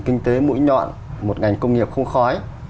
kinh tế mũi nhọn một ngành công nghiệp không khói